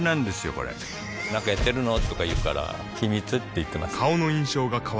これなんかやってるの？とか言うから秘密って言ってます